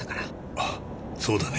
ああそうだね。